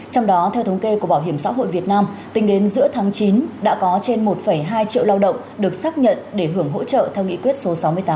trong đó theo thống kê của bảo hiểm xã hội việt nam tính đến giữa tháng chín đã có trên một hai triệu lao động được xác nhận để hưởng hỗ trợ theo nghị quyết số sáu mươi tám